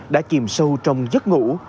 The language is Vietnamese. đã chìm sâu trong giấc ngủ